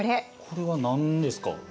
これは何ですか。